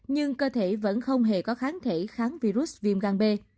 nhưng cơ thể vẫn không hề có kháng thể kháng virus viêm gan b